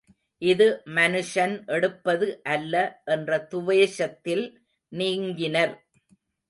இது மனுஷன் எடுப்பது அல்ல என்ற துவேஷத்தில் நீங்கினர்.